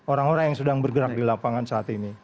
orang orang yang sedang bergerak di lapangan saat ini